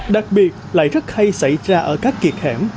đặc biệt lại rất hay xảy ra ở các kiệt hẻm